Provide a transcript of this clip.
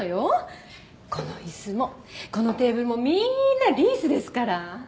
この椅子もこのテーブルもみーんなリースですから。